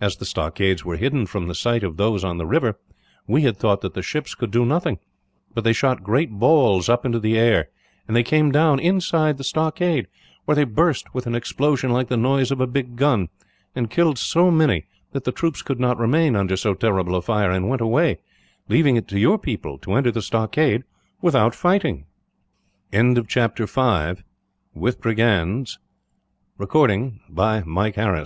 As the stockades were hidden from the sight of those on the river, we had thought that the ships could do nothing; but they shot great balls up into the air, and they came down inside the stockade, where they burst with an explosion like the noise of a big gun; and killed so many that the troops could not remain under so terrible a fire, and went away, leaving it to your people to enter the stockade, without fighting." Chapter 6: Among Friends. "It certainly seems to me," Stanl